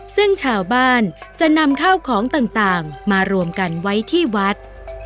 ซึ่งชาวบ้านจะนำข้าวของต่างมารวมกันไว้ที่วัด